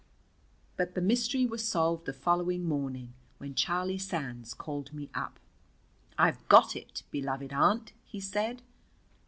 But the mystery was solved the following morning when Charlie Sands called me up. "I've got it, beloved aunt," he said.